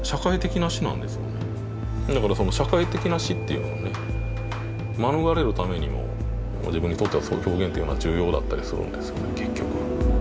だから社会的な死っていうのをね免れるためにも自分にとってはそういう表現というのは重要だったりするんですよね結局。